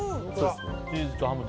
チーズとハムと。